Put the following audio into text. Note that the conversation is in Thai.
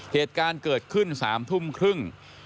เหตุการณ์เกิดขึ้น๓ทุ่มครึ่ง